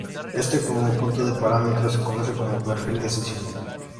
Este conjunto de parámetros se conoce como "perfil de sesión".